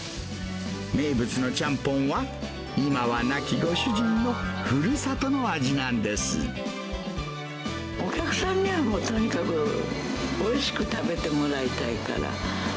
名物のちゃんぽんは、今は亡きご主人のふるさとのお客さんにはもうとにかく、おいしく食べてもらいたいから。